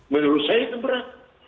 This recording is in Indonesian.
menurut saya itu berat